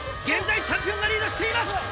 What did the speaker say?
現在チャンピオンがリードしています！